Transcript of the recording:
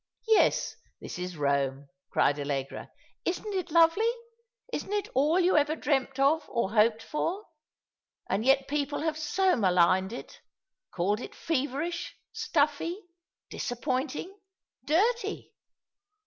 "Yes, this is Rome," cried Allegra. "Isn't it lovely? Isn't it all you ever dreamt of or hoped for? And yet people have so maligned it — called it feverish, stuffy, dis appointing, dirty